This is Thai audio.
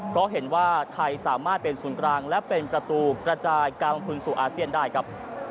เพราะเห็นว่าไทยสามารถเป็นศูนย์กลางและเป็นประตูกระจายการลงทุนสู่อาเซียนได้ครับ